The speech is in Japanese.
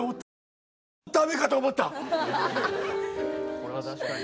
これは確かにね。